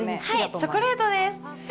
チョコレートです。